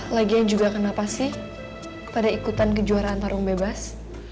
lagi juga kenapa sih pada ikutan kejuaraan tarung bebas